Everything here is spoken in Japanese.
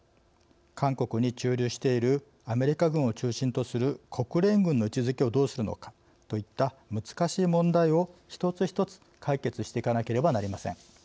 韓国に駐留しているアメリカ軍を中心とする国連軍の位置づけをどうするのかといった難しい問題を一つ一つ解決していかなければなりません。